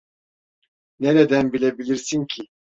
Nereden bilebilirsin ki?